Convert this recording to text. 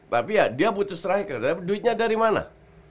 tapi ya dia butuh striker tapi duitnya dari mana